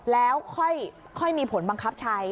แล้วค่อยมีผลบังคับใช้